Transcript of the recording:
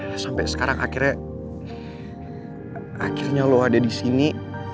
ya sampai sekarang akhirnya lo ada di sini